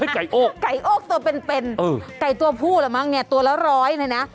ไก่โอ้กไก่โอ้กตัวเป็นไก่ตัวผู้แหละมั้งเนี่ยตัวละร้อยเลยนะ